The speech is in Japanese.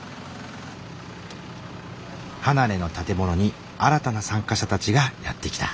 離れの建物に新たな参加者たちがやって来た。